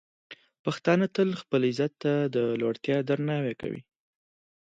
پښتانه تل خپل عزت ته د لوړتیا درناوی کوي.